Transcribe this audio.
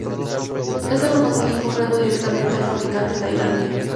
Esto lo consiguió comprando directamente al fabricante en Tailandia.